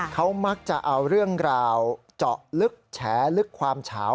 เขามักจะเอาเรื่องราวเจาะลึกแฉลึกความเฉา